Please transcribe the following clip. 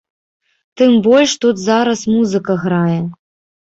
Тым больш тут зараз музыка грае.